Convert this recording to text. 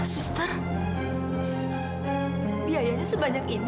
suster biayanya sebanyak ini